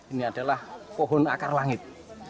ini adalah pohon akar langit